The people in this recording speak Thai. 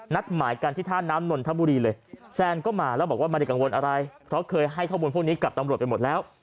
หมายกันที่ท่าน้ำนนทบุรีเลยแซนก็มาแล้วบอกว่าไม่ได้กังวลอะไรเพราะเคยให้ข้อมูลพวกนี้กับตำรวจไปหมดแล้ว